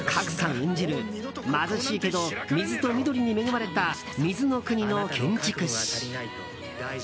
演じる、貧しいけど水と緑に恵まれた水の国の建築士。